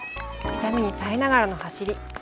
痛みに耐えながらの走り。